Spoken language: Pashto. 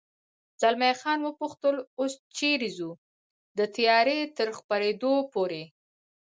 زلمی خان و پوښتل: اوس چېرې ځو؟ د تیارې تر خپرېدو پورې.